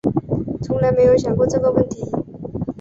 从来没有想过这个问题